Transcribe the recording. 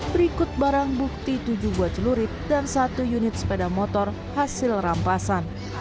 berikut barang bukti tujuh buah celurit dan satu unit sepeda motor hasil rampasan